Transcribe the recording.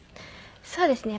そうですね。